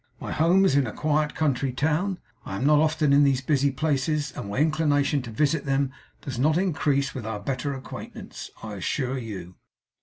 My home is in a quiet country town. I am not often in these busy places; and my inclination to visit them does not increase with our better acquaintance, I assure you.